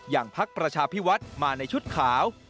อย่างภาคประชาพิวัฒน์มาในชุดข่าว